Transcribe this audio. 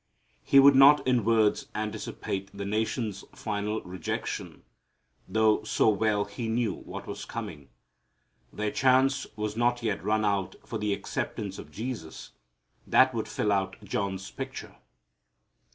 He would not in words anticipate the nation's final rejection, though so well He knew what was coming. Their chance was not yet run out for the acceptance of Jesus that would fill out John's picture.